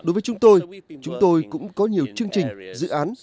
đối với chúng tôi chúng tôi cũng có nhiều chương trình dự án